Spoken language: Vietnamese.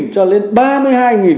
cho lên ba mươi hai